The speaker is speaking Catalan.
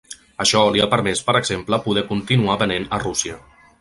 Això li ha permès per exemple poder continuar venent a Rússia.